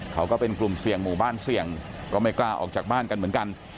ก็เป็นกลุ่มเสี่ยงหมู่บ้านเสี่ยงก็ไม่กล้าออกจากบ้านกันเหมือนกัน